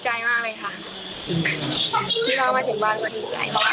อยากให้สังคมรับรู้ด้วย